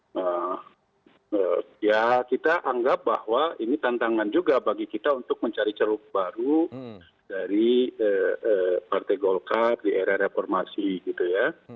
nah ya kita anggap bahwa ini tantangan juga bagi kita untuk mencari ceruk baru dari partai golkar di era reformasi gitu ya